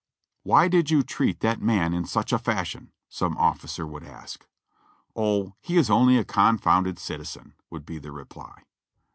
''Why did you treat that man in such a fashion?" some officer would ask. "O, he is only a confounded citizen!" would be the reply.